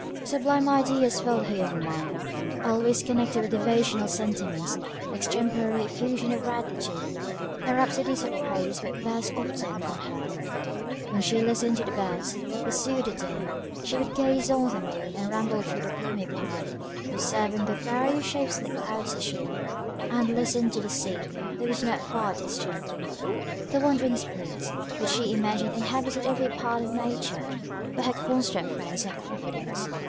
Sublime ideas filled her young mind always connected with devotional sentiments; extemporary effusions of gratitude, and rhapsodies of praise would burst often from her, when she listened to the birds, or pursued the deer. She would gaze on the moon, and ramble through the gloomy path, observing the various shapes the clouds assumed, and listen to the sea that was not far distant. The wandering spirits, which she imagined inhabited every part of nature, were her constant friends and confidants.